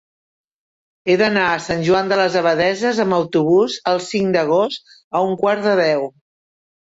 He d'anar a Sant Joan de les Abadesses amb autobús el cinc d'agost a un quart de deu.